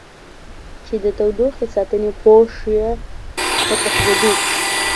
چې د تودوخې ساتنې پوښ یې په تخریبي